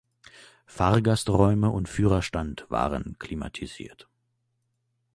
Fahrgasträume und Führerstand waren klimatisiert.